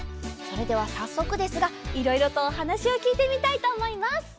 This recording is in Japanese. それではさっそくですがいろいろとおはなしをきいてみたいとおもいます。